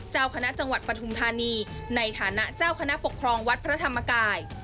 เจ้าคณะจังหวัดปฐุมธานีในฐานะเจ้าคณะปกครองวัดพระธรรมกาย